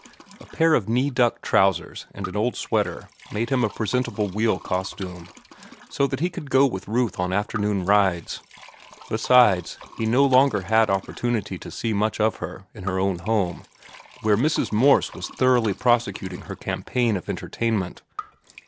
A pair of knee duck trousers and an old sweater made him a presentable wheel costume, so that he could go with Ruth on afternoon rides. Besides, he no longer had opportunity to see much of her in her own home, where Mrs. Morse was thoroughly prosecuting her campaign of entertainment.